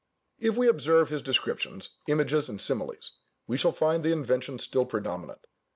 If we observe his descriptions, images, and similes, we shall find the invention still predominant.